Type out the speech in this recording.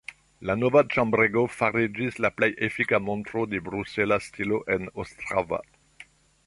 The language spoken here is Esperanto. La nova ĉambrego fariĝis la plej efika montro de brusela stilo en Ostrava.